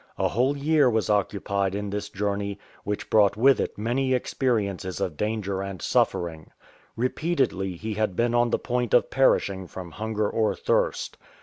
A whole year was occupied in this journey, which brought with it many experiences of danger and suffering. Repeatedly he had been on the point of perishing from hunger or thirst.